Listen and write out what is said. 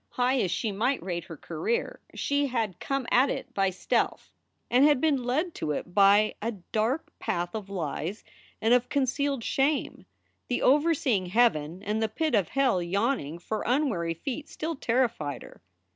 High as she might rate her career, she had come at it by stealth and had been led to it by a dark path of lies and of concealed shame. The overseeing heaven and the pit of hell yawning for unwary feet still terrified her.